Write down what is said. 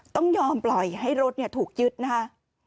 ต้องยอมปล่อยให้รถถูกยึดนะคะ